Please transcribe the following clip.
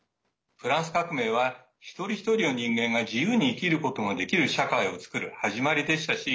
フランス革命は一人一人の人間が自由に生きることができる社会を作る始まりでしたし